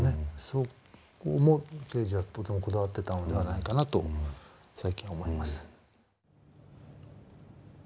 そこもケージはとてもこだわってたのではないかなと最近は思います。